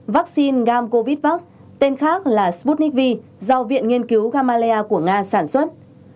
hai vaccine gam covid vac tên khác là sputnik v do viện nghiên cứu gamalea của nga sản xuất